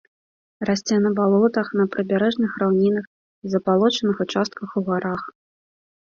Расце на балотах, на прыбярэжных раўнінах і забалочаных участках у гарах.